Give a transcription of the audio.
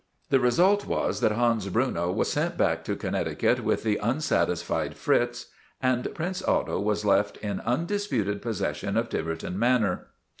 The result was that Hans Bruno was sent back to Con necticut with the unsatisfied Fritz, and Prince Otto was left in undisputed possession of Tiverton Manor.